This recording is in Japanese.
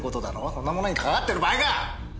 そんなものにかかわってる場合か！